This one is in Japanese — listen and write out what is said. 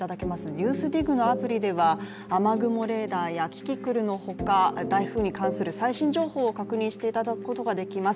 「ＮＥＷＳＤＩＧ」のアプリでは雨雲レーダーやキキクルのほか台風に関する最新情報を確認していただくことができます。